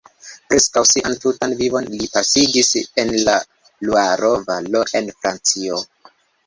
Preskaŭ sian tutan vivon li pasigis en la Luaro-valo en Francio.